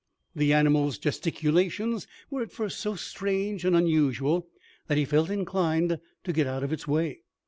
The animal's gesticulations were at first so strange and unusual, that he felt inclined to get out of its way.